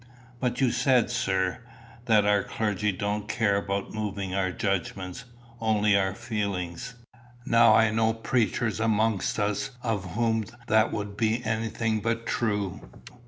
"But you said, sir, that our clergy don't care about moving our judgments, only our feelings. Now I know preachers amongst us of whom that would be anything but true."